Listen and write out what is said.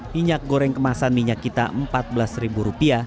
minyak goreng kemasan minyak kita rp empat belas